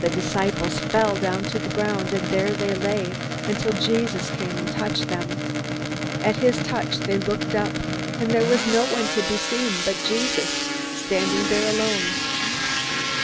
The disciples fell down to the ground, and there they lay until Jesus came and touched them. At his touch they looked up, and there was no one to be seen but Jesus standing there alone.